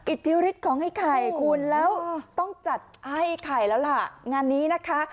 อิทธิฤทธิ์ของไอ้ไข่คุณแล้วต้องจัดไอ้ไข่แล้วล่ะงานนี้นะคะ